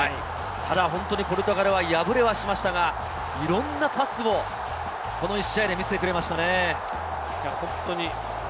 ただ本当、ポルトガルは敗れはしましたが、いろんなパスをこの１試合で見せてくれましたね。